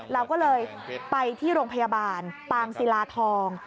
เราก็เลยไปที่โรงพยาบาลปางศิลาทอง